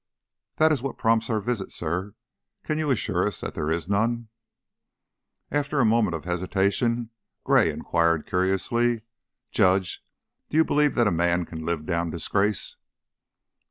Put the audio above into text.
"That is what prompts our visit, sir. Can you assure us that there is none?" After a moment of hesitation Gray inquired, curiously: "Judge, do you believe that a man can live down disgrace?"